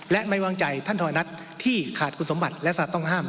และไม่วางใจท่านธรรมนัฐที่ขาดคุณสมบัติและสัตว์ต้องห้าม